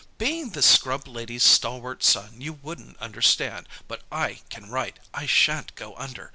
"Being the scrub lady's stalwart son, you wouldn't understand. But I can write. I sha'n't go under.